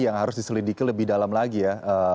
yang harus diselidiki lebih dalam lagi ya